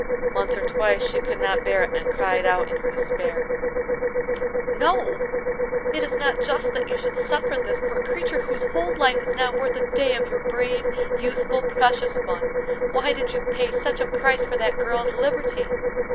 Once or twice she could not bear it, and cried out in her despair: "No, it is not just that you should suffer this for a creature whose whole life is not worth a day of your brave, useful, precious one! Why did you pay such a price for that girl's liberty?"